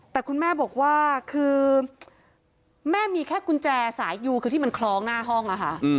แต่คุณแม่บอกว่าคือแม่มีแค่กุญแจสายยูคือที่มันคล้องหน้าห้องอะค่ะ